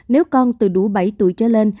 nếu con từ đủ bảy tuổi trở lên